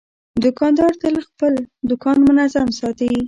دوکاندار تل خپل دوکان منظم ساتي.